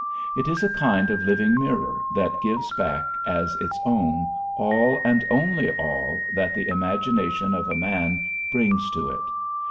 It is a kind of living mirror that gives back as its own all and only all that the imagination of a man brings to it.